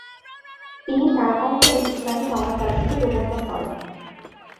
তিনি তাঁর অঞ্চলে ইসলামী সমাজ ব্যবস্থা প্রবর্তন করেন।